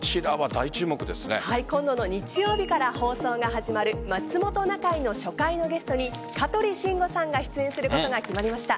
今度の日曜日から放送が始まる「まつもｔｏなかい」の初回のゲストに香取慎吾さんが出演することが決まりました。